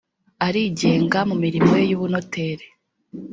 arigenga mu mirimo ye y’ubunoteri